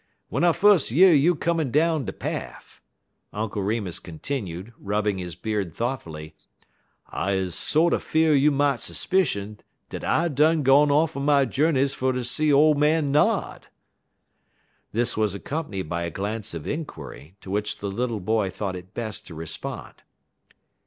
W'en I fus' year you comin' down de paf," Uncle Remus continued, rubbing his beard thoughtfully, "I 'uz sorter fear'd you mought 'spicion dat I done gone off on my journeys fer ter see ole man Nod." This was accompanied by a glance of inquiry, to which the little boy thought it best to respond.